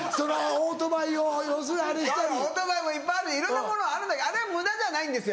オートバイもいっぱいあるいろんなものあるんだけどあれは無駄じゃないんですよ